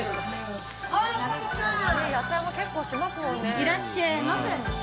いらっしゃいませ。